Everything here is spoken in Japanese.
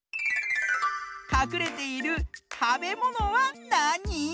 かくれているたべものはなに？